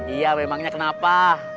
iya memangnya kenapa